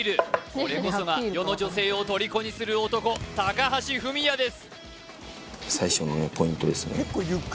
これこそが世の女性を虜にする男高橋文哉です